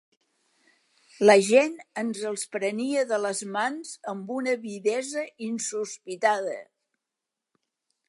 La gent ens els prenia de les mans amb una avidesa insospitada.